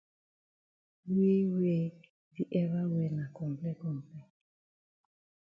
We we di ever wear na comple comple.